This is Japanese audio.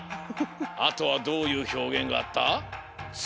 あとはどういうひょうげんがあった？